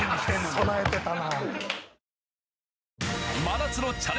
備えてたな！